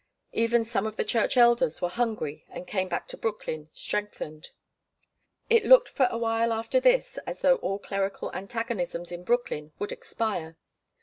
Even some of the church elders were hungry and came back to Brooklyn strengthened. It looked for awhile after this as though all clerical antagonisms in Brooklyn would expire.